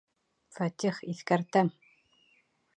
Фәтих, иҫкәртәм!